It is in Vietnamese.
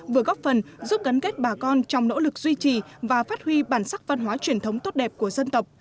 vừa góp phần giúp gắn kết bà con trong nỗ lực duy trì và phát huy bản sắc văn hóa truyền thống tốt đẹp của dân tộc